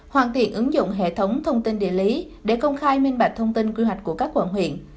hoàn thiện ứng dụng hệ thống thông tin địa lý để công khai minh bạch thông tin quy hoạch của các quận huyện